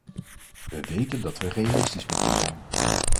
We weten dat we realistisch moeten zijn.